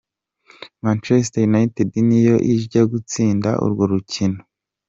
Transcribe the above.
Manchester United niyo ija giutsinda urwo rukino.